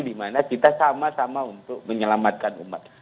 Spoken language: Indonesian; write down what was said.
di mana kita sama sama untuk menyelamatkan umat